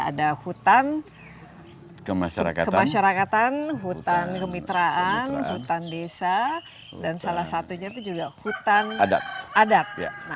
ada hutan kemasyarakatan hutan kemitraan hutan desa dan salah satunya itu juga hutan adat